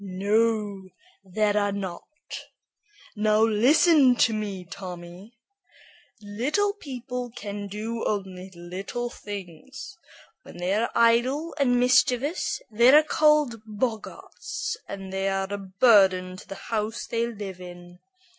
"No, there are not. Now listen to me, Tommy. Little people can do only little things. When they are idle and mischievous, they are called boggarts, and they are a burden to the house they live in.